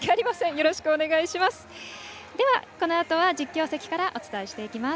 よろしくお願いします。